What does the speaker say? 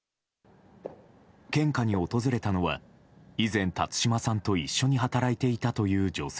献花に訪れたのは以前、辰島さんと一緒に働いていたという女性。